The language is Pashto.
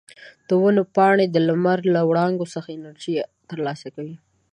د ونو پاڼې د لمر له وړانګو څخه انرژي ترلاسه کوي.